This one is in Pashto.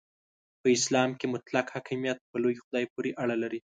په اسلام کې مطلق حاکمیت په لوی خدای پورې اړه لري.